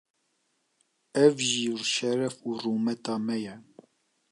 ev jî şeref û rûmeta me ye.